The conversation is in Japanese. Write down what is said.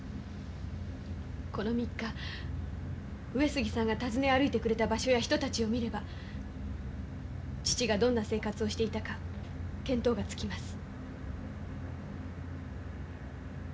この３日上杉さんが尋ね歩いてくれた場所や人たちを見れば父がどんな生活をしていたか見当がつきます。